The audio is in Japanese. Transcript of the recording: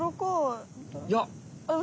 いや。